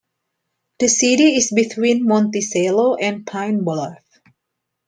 The city is between Monticello and Pine Bluff.